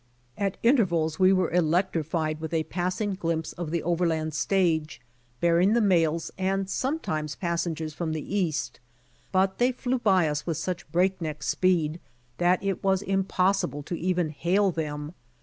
At intervals we were electrified with a passing glimpse of the overland stage, bearing the miails and sometimes passengers from the East, but they flew by us with such break neck speed, that it was impos sible to even hail them.